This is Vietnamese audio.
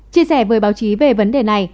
chia sẻ với báo chí về vấn đề này